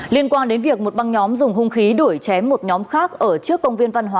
liên quan đến việc một băng nhóm dùng hung khí đuổi chém một nhóm khác ở trước công viên văn hóa